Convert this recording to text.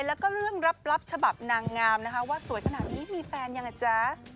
แล้วก็เรื่องลับฉบับนางงามนะคะว่าสวยขนาดนี้มีแฟนยังไงจ๊ะ